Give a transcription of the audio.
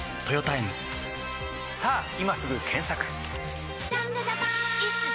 さぁ今すぐ検索！